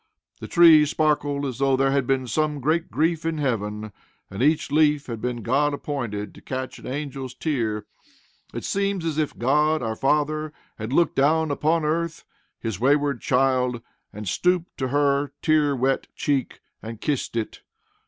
The trees sparkled as though there had been some great grief in heaven, and each leaf had been God appointed to catch an angel's tear. It seemed as if God our Father had looked down upon earth, his wayward child, and stooped to her tear wet cheek, and kissed it.